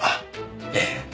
ええ。